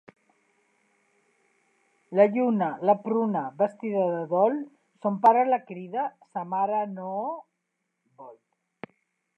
La lluna, la pruna, vestida de dol, son pare la crida, sa mare no...